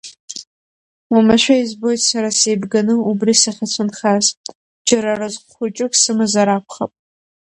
Уамашәа избоит сара сеибганы убри сахьацәынхаз џьара разҟ хәыҷык сымазар акәхап.